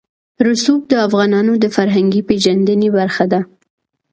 رسوب د افغانانو د فرهنګي پیژندنې برخه ده.